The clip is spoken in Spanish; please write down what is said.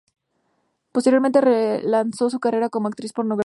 Posteriormente relanzó su carrera como actriz pornográfica.